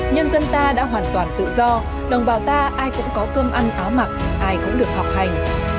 nhân dân ta đã hoàn toàn tự do đồng bào ta ai cũng có cơm ăn áo mặc ai cũng được học hành